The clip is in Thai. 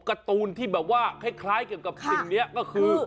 การ์ตูนที่แบบว่าคล้ายเกี่ยวกับสิ่งนี้ก็คือ